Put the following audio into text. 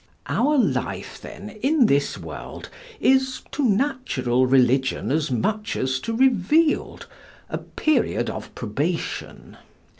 Our life then in this world is, to natural religion as much as to revealed, a period of probation.